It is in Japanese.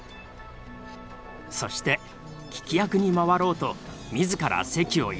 そして聞き役に回ろうと自ら席を移動した。